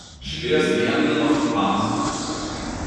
She bears the emblem of the past.